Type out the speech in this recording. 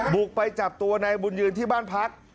บุกไปจับตัวนายบุญยืนที่บ้านพัก